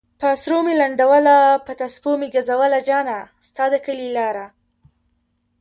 پہ اسرو میی لنڈولہ پہ تسپو میی گزولہ جانہ! ستا د کلی لارہ